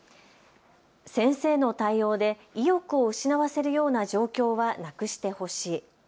先生の対応で意欲を失わせるような状況はなくしてほしい。